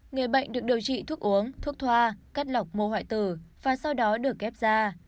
người bệnh được điều trị thuốc uống thuốc thoa cắt lọc mô hoại tử và sau đó được ghép ra